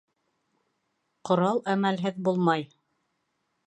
Ҡорал әмәлһеҙ булмай